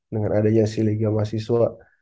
dengan adanya si lega mahasiswa